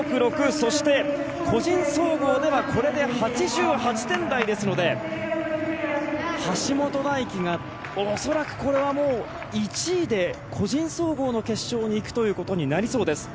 そして、個人総合ではこれで８８点台ですので橋本大輝が恐らくこれはもう１位で個人総合の決勝に行くということになりそうです。